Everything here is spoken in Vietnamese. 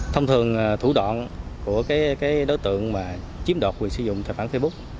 thông thường thủ đoạn của đối tượng mà chiếm đoạt quyền sử dụng tài khoản facebook